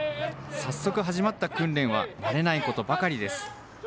早速始まった訓練は、慣れないことばかりです。